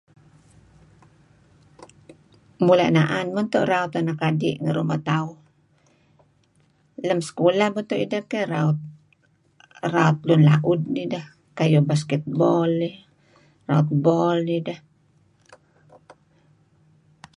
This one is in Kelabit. Mula' na'an mento raut anak adi' ngi ruma' tauh. Lem sekulah beto' ideh keh raut lun la'ud nideh kayu' basketball eh, raut boll nideh .